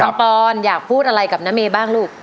ปอนอยากพูดอะไรกับน้าเมย์บ้างลูก